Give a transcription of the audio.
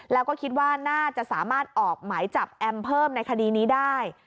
แล้วก็คิดว่าน่าจะสามารถออกหมายจับแอมเพิ่มในคดีนี้ได้